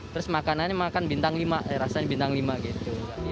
terus makanannya makan bintang lima eh rasanya bintang lima gitu